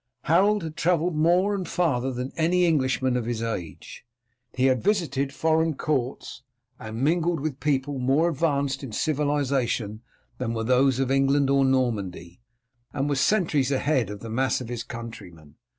Harold had travelled more and farther than any Englishman of his age. He had visited foreign courts and mingled with people more advanced in civilization than were those of England or Normandy, and was centuries ahead of the mass of his countrymen.